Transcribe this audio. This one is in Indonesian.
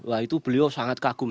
wah itu beliau sangat kagum